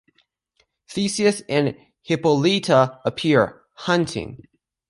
Theseus and Hippolyta appear, hunting.